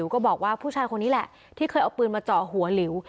ก็บอกว่าผู้ชายคนนี้แหละที่เคยเอาปืนมาเจาะหัวหลิว